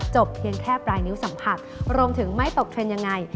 เพียงแค่ปลายนิ้วสัมผัสรวมถึงไม่ตกเทรนด์ยังไง